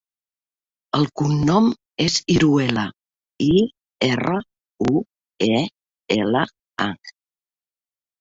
El cognom és Iruela: i, erra, u, e, ela, a.